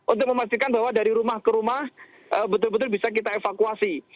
untuk memastikan bahwa dari rumah ke rumah betul betul bisa kita evakuasi